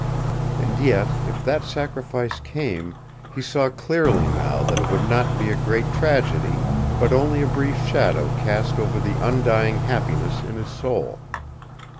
And yet, if that sacrifice came, he saw clearly now that it would not be a great tragedy but only a brief shadow cast over the undying happiness in his soul.